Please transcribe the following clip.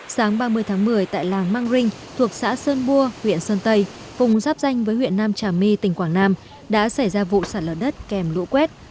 sáng ba mươi tháng một mươi tại làng mang rinh thuộc xã sơn bua huyện sơn tây cùng giáp danh với huyện nam trà my tỉnh quảng nam đã xảy ra vụ sạt lở đất kèm lũ quét